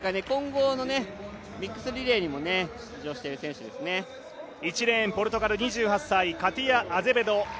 今大会混合のミックスリレーにも１レーン、ポルトガルの２８歳カティア・アゼベド。